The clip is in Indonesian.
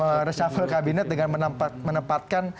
kemudian reshuffle kabinet dengan menempatkan beberapa menteri kabinet disini